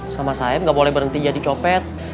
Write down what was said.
sama saeb gak boleh berhenti jadi copet